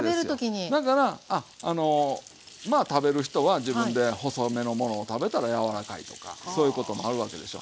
だからまあ食べる人は自分で細めのものを食べたら柔らかいとかそういうことになるわけでしょ。